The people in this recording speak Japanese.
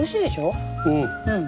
うん。